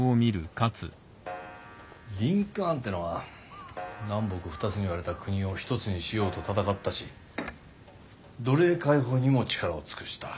リンカーンってのは南北２つに割れた国を１つにしようと戦ったし奴隷解放にも力を尽くした。